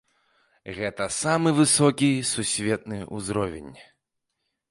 Гэта самы высокі сусветны ўзровень.